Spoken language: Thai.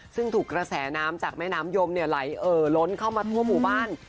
ซึ่งถูกกระแสน้ำจากแม่น้ำยมไหลเอ่อล้นเข้ามาทั่วหมู่บ้าน